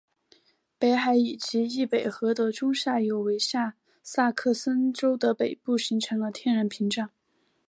北海以及易北河的中下游为下萨克森州的北部形成了天然屏障。